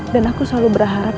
dan aku selalu berharap